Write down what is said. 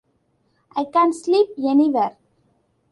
I can sleep anywhere.